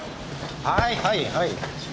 はいはいはい。